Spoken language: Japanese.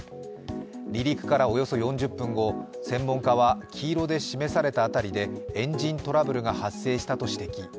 離陸からおよそ４０分後、専門家は黄色で示された辺りでエンジントラブルが発生したと指摘。